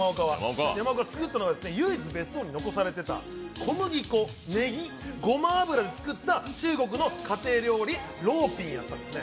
山岡作ったのは唯一別荘に残されてた小麦粉、ねぎ、ごま油で作った中国の家庭料理・ローピンやったんです。